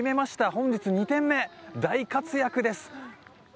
本日２点目、大活躍です！